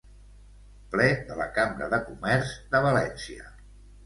Ple de la Cambra de Comerç de València.